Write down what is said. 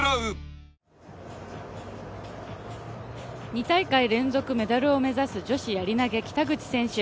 ２大会連続メダルを目指す、女子やり投、北口榛花選手。